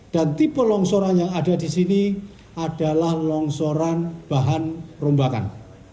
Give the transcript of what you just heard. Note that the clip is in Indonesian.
dan tipe longsoran yang ada di sini adalah longsoran bahan rombakan